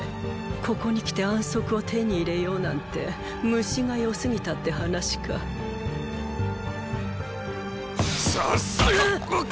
ここにきて安息を手に入れようなんて虫がよすぎたって話かさっさとうっ！